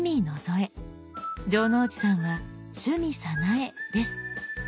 城之内さんは「趣味早苗」です。